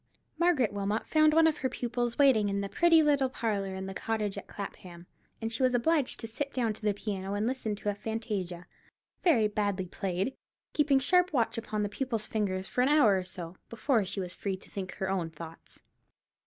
Margaret Wilmot found one of her pupils waiting in the pretty little parlour in the cottage at Clapham, and she was obliged to sit down to the piano and listen to a fantasia, very badly played, keeping sharp watch upon the pupil's fingers, for an hour or so, before she was free to think her own thoughts.